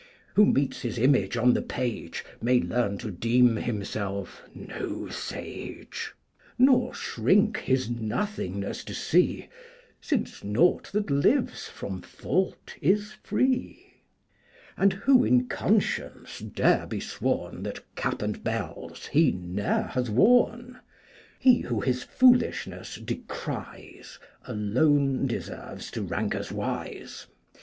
Who meets his image on the page May learn to deem himself no sage, Nor shrink his nothingness to see, Since naught that lives from fault is free; And who in conscience dare be sworn That cap and bells he ne'er hath worn? He who his foolishness decries Alone deserves to rank as wise.